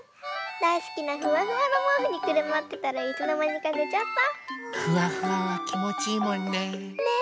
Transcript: だいすきなフワフワのもうふにくるまってたらいつのまにかねちゃった。フワフワはきもちいいもんね。ねぇ。